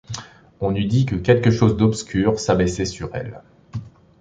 On eût dit que quelque chose d’obscur s’abaissait sur elle.